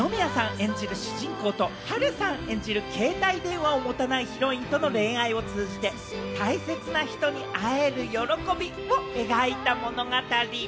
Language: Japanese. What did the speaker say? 演じる主人公と、波瑠さん演じる携帯電話を持たないヒロインとの恋愛を通じて、大切な人に会える喜びを描いた物語。